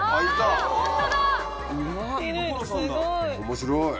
面白い。